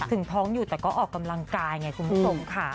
ถึงท้องอยู่แต่ก็ออกกำลังกายไงคุณผู้ชมค่ะ